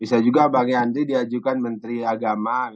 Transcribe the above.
bisa juga bang yandri diajukan menteri agama